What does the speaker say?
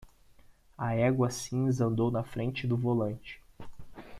A égua cinza andou na frente do volante.